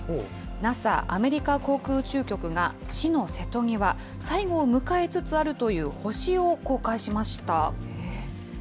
ＮＡＳＡ・アメリカ航空宇宙局が死の瀬戸際、最期を迎えつつあるという星を公開しました。